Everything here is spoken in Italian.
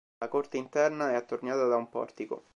La corte interna è attorniata da un portico.